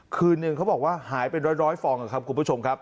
คืนนึงเขาบอกว่าหายเป็นร้อยฟองครับคุณผู้ชมครับ